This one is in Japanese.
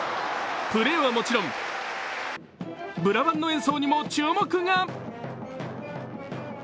プレーはもちろんブラバンの演奏にも注目が。